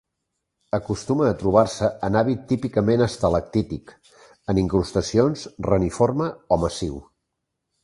Acostuma a trobar-se en hàbit típicament estalactític, en incrustacions, reniforme o massiu.